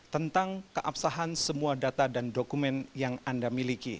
tentang keabsahan semua data dan dokumen yang anda miliki